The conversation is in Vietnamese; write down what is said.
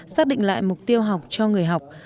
xác định lại mục tiêu học cho người học